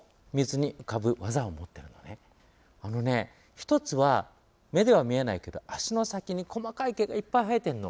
１つは目では見えないけど足の先に細かい毛がいっぱい生えているの。